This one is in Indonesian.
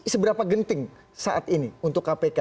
seberapa genting saat ini untuk kpk